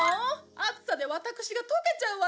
暑さで私が溶けちゃうわよ！